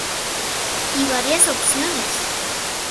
Y varias opciones.